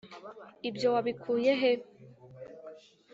ibyo wabikuye he?